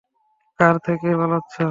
কার থেকে পালাচ্ছো?